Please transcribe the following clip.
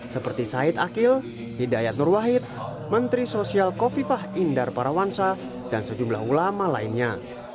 seperti said akil hidayat nur wahid menteri sosial kofifah indar parawansa dan sejumlah ulama lainnya